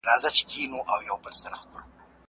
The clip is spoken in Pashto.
حافظه د نویو معلوماتو په ساتلو کي مرسته کوي.